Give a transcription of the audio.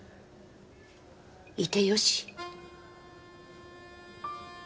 いてよし。